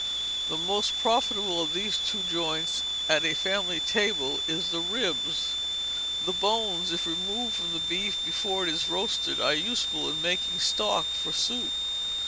The more profitable of these two joints at a family table is the ribs. The bones, if removed from the beef before it is roasted, are useful in making stock for soup.